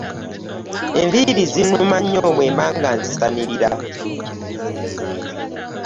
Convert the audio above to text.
Enviiri zinuma nnyo bwembanga nzisanyirira.